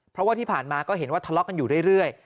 เพราะว่าที่ผ่านมาก็เห็นว่าทะเลาะกันอยู่เรื่อย